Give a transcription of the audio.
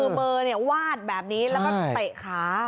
มือวาดแบบนี้แล้วก็เตะขา